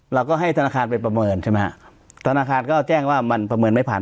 เราก็ให้ธนาคารไปประเมินใช่ไหมฮะธนาคารก็แจ้งว่ามันประเมินไม่ผ่าน